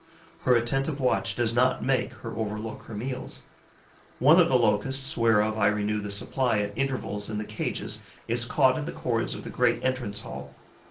Her attentive watch does not make her overlook her meals. One of the Locusts whereof I renew the supply at intervals in the cages is caught in the cords of the great entrance hall.